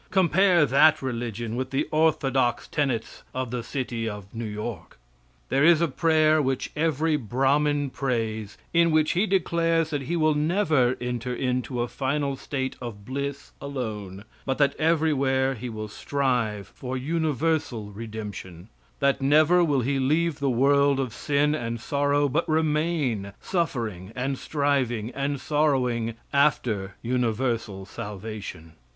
Compare that religion with the orthodox tenets of the city of New York. There is a prayer which every Brahmin prays, in which he declares that he will never enter into a final state of bliss alone, but that everywhere he will strive for universal redemption; that never will he leave the world of sin and sorrow, but remain suffering and striving and sorrowing after universal salvation.